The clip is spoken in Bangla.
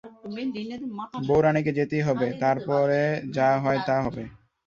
বউরানীকে যেতেই হবে, তার পরে যা হয় তা হবে।